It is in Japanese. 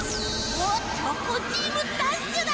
おっチョコンチームダッシュだ！